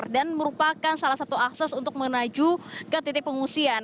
dan merupakan salah satu akses untuk menuju ke titik pengungsian